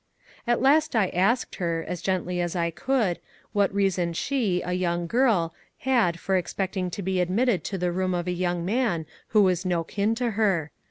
At last I asked her, as gently as I could, what rea son she, a young girl, had for expecting to be ad mitted to the room of»a young man who was no kin to her.